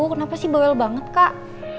kenapa sih bawel banget kak